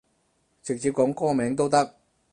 直接講歌名都得